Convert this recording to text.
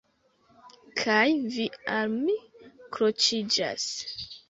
Kaj vi al mi kroĉiĝas.